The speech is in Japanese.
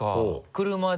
車で？